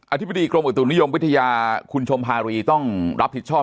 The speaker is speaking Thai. ธิบดีกรมอุตุนิยมวิทยาคุณชมภารีต้องรับผิดชอบ